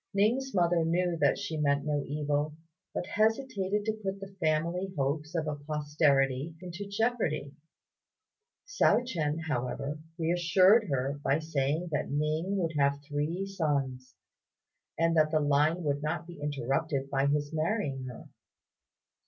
Ning's mother knew that she meant no evil, but hesitated to put the family hopes of a posterity into jeopardy. Hsiao ch'ien, however, reassured her by saying that Ning would have three sons, and that the line would not be interrupted by his marrying her.